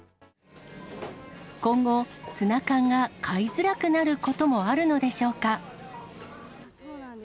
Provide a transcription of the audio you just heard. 今後、ツナ缶が買いづらくなることもあるのでしょうか。